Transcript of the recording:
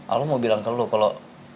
allah mau bilang ke lo kalau